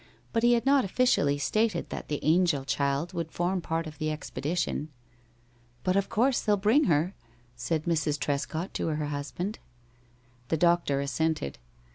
But he had not officially stated that the angel child would form part of the expedition. "But of course they'll bring her," said Mrs. Trescott to her husband. The doctor assented.